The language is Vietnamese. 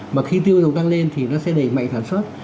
mà khi tiêu dùng tăng lên thì nó sẽ đẩy mạnh sản xuất